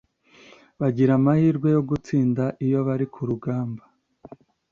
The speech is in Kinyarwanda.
Bagira amahirwe yo gutsinda iyo bari ku rugamba